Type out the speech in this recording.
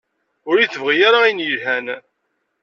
Ur yi-tebɣi ara ayen yelhan